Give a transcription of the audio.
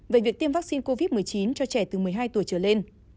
về việc tiêm vaccine covid một mươi chín cho trẻ từ một mươi hai tuổi trở lên